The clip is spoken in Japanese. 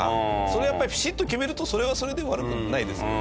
それはやっぱりピシッと決めるとそれはそれで悪くないですよね。